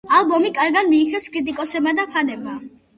ალბომი კარგად მიიღეს კრიტიკოსებმა და ფანებმა.